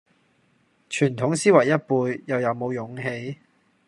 傳統思維一輩又有冇勇氣